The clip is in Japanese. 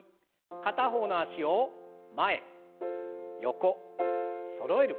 片方の脚を前横そろえる。